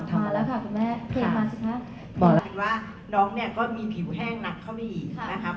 เพราะฉะนั้นเนี่ยก็คือว่า